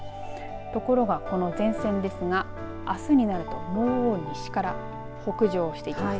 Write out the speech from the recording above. ところが、この前線ですがあすになると西から北上していきます。